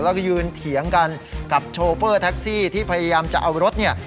แล้วก็ยืนเถียงกันกับโชเฟอร์แท็กซี่ที่พยายามจะเอารถเนี่ย